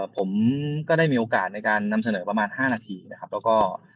ผมก็ได้มีโอกาสในการนำเสนอประมาณ๕นาทีนะครับแล้วก็